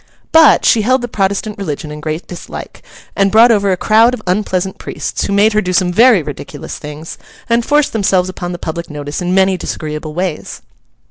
But, she held the Protestant religion in great dislike, and brought over a crowd of unpleasant priests, who made her do some very ridiculous things, and forced themselves upon the public notice in many disagreeable ways.